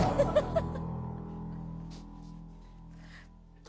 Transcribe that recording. ハハハハ！